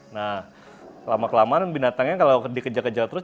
nah lama kelamaan binatangnya kalau dikejar kejar terus